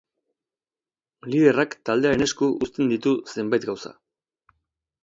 Liderrak taldearen esku uzten ditu zenbait gauza.